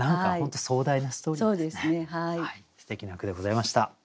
すてきな句でございました。